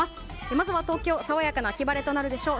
まずは東京、爽やかな秋晴れとなるでしょう。